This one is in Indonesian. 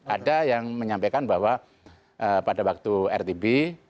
ada yang menyampaikan bahwa pada waktu rtb